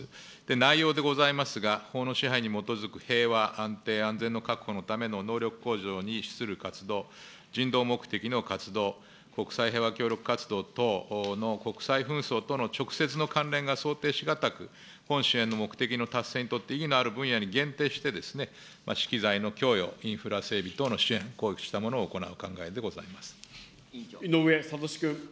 内容でございますが、法の支配に基づく平和、安定、安全確保のための能力向上に資する活動、人道目的の活動、国際平和協力活動等の国際紛争等の直接の関連が想定し難く、本支援の目的の達成にとって意義のある分野に限定して、資機材の供与、インフラ整備等の支援、こうしたものを行う考えでございま井上哲士君。